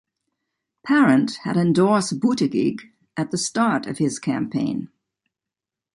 Parent had endorsed Buttigieg at the start of his campaign.